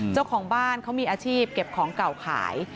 เจ้าของบ้านเขามีอาชีพเก็บของเก่าขาย